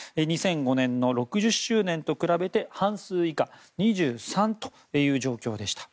２００５年の６０周年と比べて半数以下２３という状況でした。